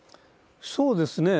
そうですね